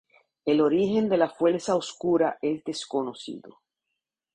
El origen de la Fuerza Oscura es desconocido.